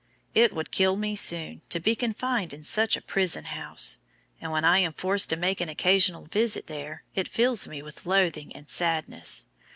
It would kill me soon to be confined in such a prison house; and when I am forced to make an occasional visit there, it fills me with loathing and sadness.